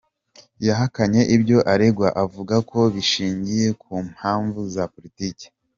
Yahakanye ibyo aregwa, avuga ko bishingiye ku mpamvu za politiki.